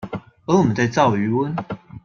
而我們在造魚塭